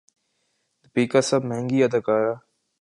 دپیکا سب سے مہنگی اداکارہ